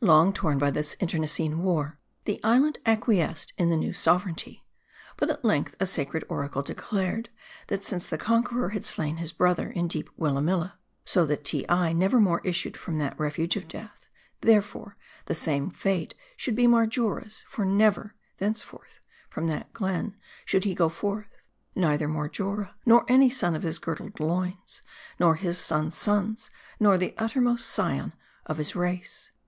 Long torn by this intestine war, the island acquiesced in the new sovereignty. But at length a sacred oracle de clared, that sj.nce the conqueror had slain his brother in deep Willamilla, so that Teei never more issued from that refuge of death ; therefore, the same fate should be Mar jora's ; for never, thenceforth, from that glen, should he go forth ; neither Marjora ; nor any son of his girdled loins ; nor his son's sons ; nor the uttermost scion of his race. But